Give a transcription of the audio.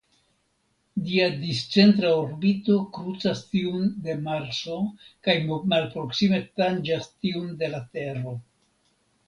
Ĝia discentra orbito krucas tiun de Marso kaj malproksime tanĝas tiun de la Tero.